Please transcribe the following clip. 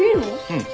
うん。